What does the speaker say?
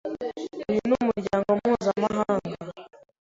Uyu ni umuryango mpuzamahanga.